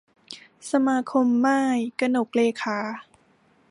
สมาคมม่าย - กนกเรขา